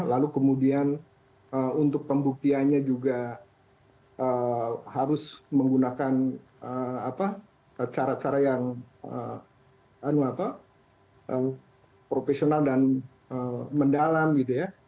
lalu kemudian untuk pembuktiannya juga harus menggunakan cara cara yang profesional dan mendalam gitu ya